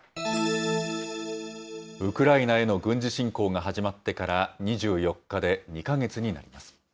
ウクライナへの軍事侵攻が始まってから２４日で２か月になります。